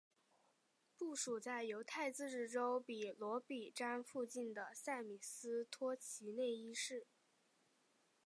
部署在犹太自治州比罗比詹附近的塞米斯托齐内伊市。